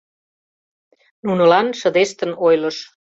Нунылан шыдештын ойлыш: